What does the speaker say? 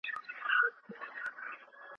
ماشومانو ته په ژوند کې ډاډ ورکړئ.